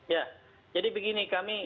ya jadi begini